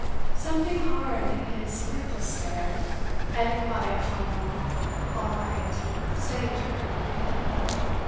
Something hard in his mirthless stare, and a quiet final "All right," steadied her.